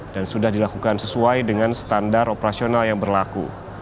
dan sudah dilakukan sesuai dengan standar operasional yang berlaku